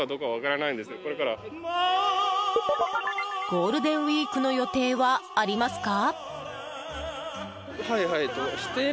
ゴールデンウィークの予定はありますか？